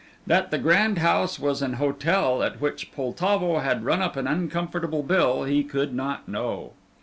That the grand house was an hotel at which Poltavo had run up an uncomfortable bill he could not know.